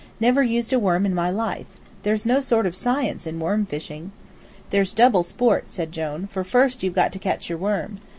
Never used a worm in my life. There's no sort of science in worm fishing." "There's double sport," said Jone, "for first you've got to catch your worm.